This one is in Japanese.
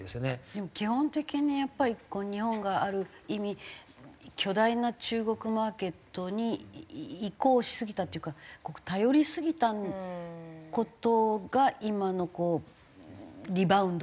でも基本的にやっぱり日本がある意味巨大な中国マーケットに移行しすぎたっていうか頼りすぎた事が今のリバウンドを生んでるんじゃないかなと。